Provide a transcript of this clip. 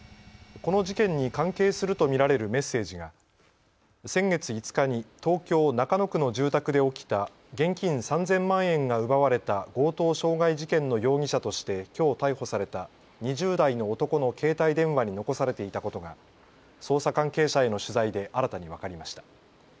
この事件に関係すると見られるメッセージが先月５日に東京中野区の住宅で起きた現金３０００万円が奪われた強盗傷害事件の容疑者として、きょう逮捕された２０代の男の携帯電話に残されていたことが捜査関係者への取材で新たに分かりました。